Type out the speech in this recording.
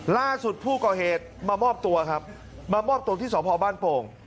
ล่าสุดผู้ก่อเหตุมามอบตัวครับมามอบตัวที่สพบ้านโป่ง